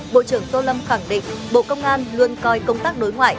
bộ trưởng tô lâm khẳng định bộ công an luôn coi công tác đối ngoại